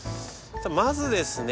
まずですね